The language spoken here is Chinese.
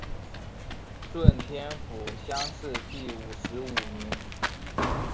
顺天府乡试第五十五名。